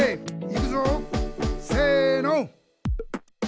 いくぞせの！